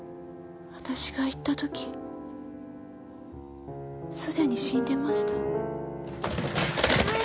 私が行った時すでに死んでました。